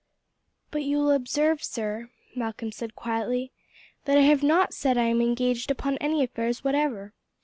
"But you will observe, sir," Malcolm said quietly, "that I have not said I am engaged upon any affairs whatever.